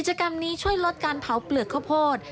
กิจกรรมนี้ช่วยลดการเผาเปลือกข้าวโพด